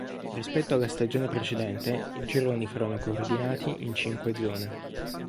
Rispetto alla stagione precedente i gironi furono coordinati in cinque zone.